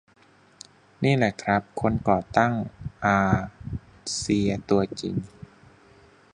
นี่แหละครับคนก่อตั้งอาเซียตัวจริง